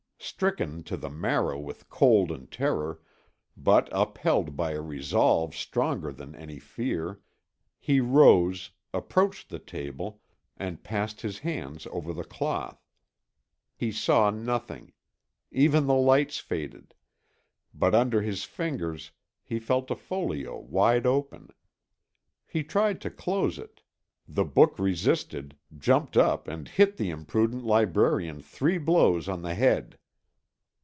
Stricken to the marrow with cold and terror, but upheld by a resolve stronger than any fear, he rose, approached the table, and passed his hands over the cloth. He saw nothing; even the lights faded, but under his fingers he felt a folio wide open; he tried to close it, the book resisted, jumped up and hit the imprudent librarian three blows on the head.